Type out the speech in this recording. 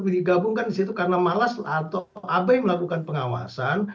digabungkan di situ karena malas atau abai melakukan pengawasan